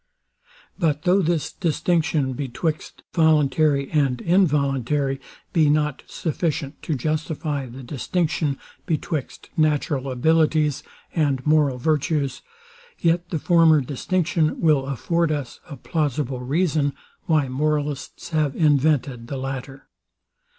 But though this distinction betwixt voluntary and involuntary be not sufficient to justify the distinction betwixt natural abilities and moral virtues, yet the former distinction will afford us a plausible reason, why moralists have invented the latter.